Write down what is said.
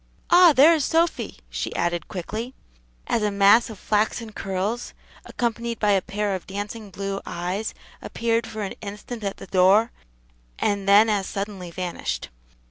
"Ah, there is Sophy!" she added quickly, as a mass of flaxen curls, accompanied by a pair of dancing blue eyes, appeared for an instant at the door, and then as suddenly vanished.